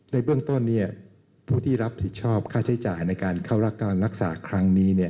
ในเบื้องต้นผู้ที่รับผิดชอบค่าใช้จ่ายในการเข้ารักการรักษาครั้งนี้